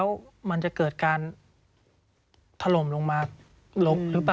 สวัสดีค่ะที่จอมฝันครับ